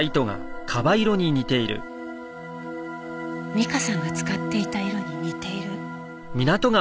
美加さんが使っていた色に似ている。